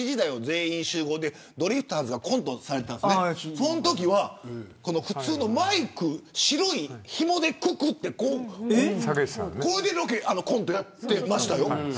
全員集合でドリフターズがコントされていたときは普通のマイク白いひもでくくってこれでコントやってましたよ。